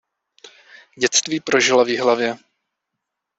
Dětství prožila v Jihlavě.